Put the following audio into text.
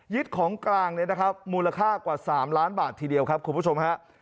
ของกลางเนี่ยนะครับมูลค่ากว่า๓ล้านบาททีเดียวครับคุณผู้ชมฮะ